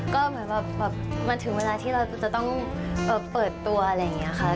ก็เหมือนแบบมันถึงเวลาที่เราจะต้องเปิดตัวอะไรอย่างนี้ค่ะ